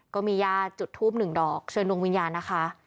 ก็มีญาติจุดทูปหนึ่งดอกเชิญดวงวิญญาณนะคะ